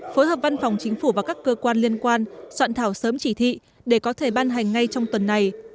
phối hợp văn phòng chính phủ và các cơ quan liên quan soạn thảo sớm chỉ thị để có thể ban hành ngay trong tuần này